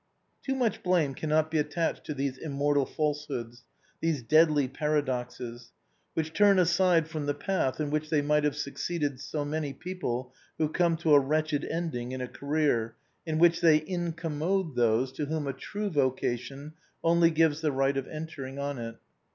xl ORIGINAL PREFACE. Too much blame cannot be attached to these immortal falsehoods, these deadly paradoxes, which turn aside from the path in which they might have succeeded so many people who come to a wretched ending in a career in which they incommode those to whom a true vocation only gives the right of entering on it.